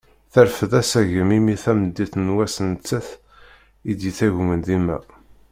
Terfed asagem imi tameddit n wass d nettat i d-yettagmen dima.